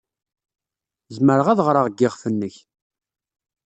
Zemreɣ ad ɣreɣ deg yiɣef-nnek.